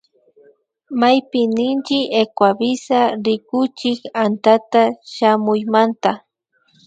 Payki ninchi Ecuavisa rikuchik antata shamuymanta